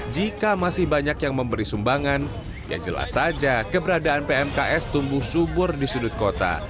jika masih banyak yang memberi sumbangan ya jelas saja keberadaan pmks tumbuh subur di sudut kota